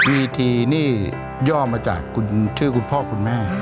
ีทีนี่ย่อมาจากชื่อคุณพ่อคุณแม่